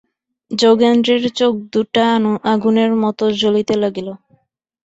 যোগেন্দ্রের চোখদুটা আগুনের মতো জ্বলিতে লাগিল।